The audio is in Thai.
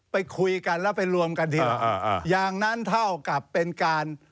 ไปคุยกันแล้วไปรวมกันทีละอย่างนั้นเท่ากับเป็นการ